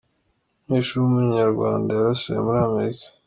Umunyeshuri w’Umunyarwanda yarasiwe muri Amerika